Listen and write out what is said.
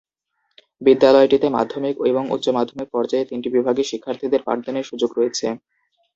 বিদ্যালয়টিতে মাধ্যমিক এবং উচ্চ মাধ্যমিক পর্যায়ে তিনটি বিভাগে শিক্ষার্থীদের পাঠদানের সুযোগ রয়েছে।